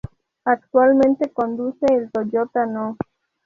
Actualmente conduce el Toyota No.